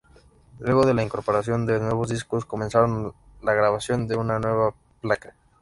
Luego de la incorporación de nuevos músicos, comenzaron la grabación de una nueva placa.